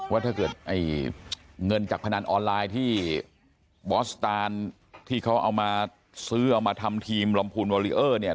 ว่าถ้าเกิดเงินจากพนันออนไลน์ที่บอสตานที่เขาเอามาซื้อเอามาทำทีมลำพูนวอลิเออร์เนี่ย